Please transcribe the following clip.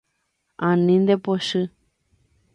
Ani ndepochy.